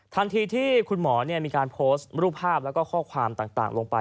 ทันทีที่คุณหมอมีการโพสต์รูปภาพแล้วก็ข้อความต่างลงไป